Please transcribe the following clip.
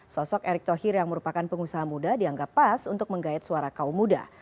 sosok erick thohir yang merupakan pengusaha muda dianggap pas untuk menggait suara kaum muda